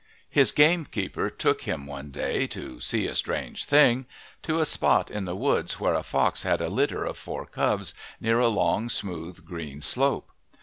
His gamekeeper took him one day "to see a strange thing," to a spot in the woods where a fox had a litter of four cubs, near a long, smooth, green slope.